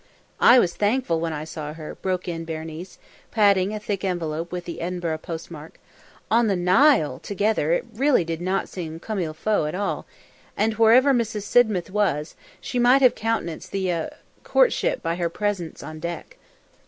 "I was thankful when I saw her," broke in Berenice, patting a thick envelope with the Edinburgh post mark. "On the Nile, together, it really did not seem comme il faut at all, and wherever Mrs. Sidmouth was, she might have countenanced the er the courtship by her presence on deck."